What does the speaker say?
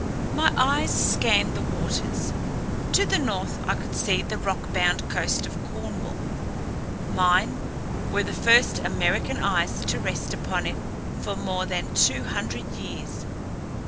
My eyes scanned the waters. To the north I could see the rockbound coast of Cornwall. Mine were the first American eyes to rest upon it for more than two hundred years.